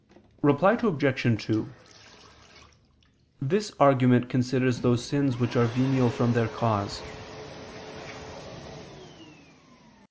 Reply Obj. 2: This argument considers those sins which are venial from their cause.